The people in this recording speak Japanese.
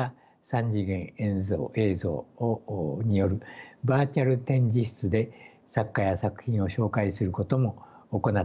３次元映像によるバーチャル展示室で作家や作品を紹介することも行っております。